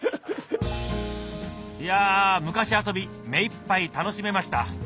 いやぁ昔遊び目いっぱい楽しめました